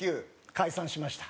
解散しました。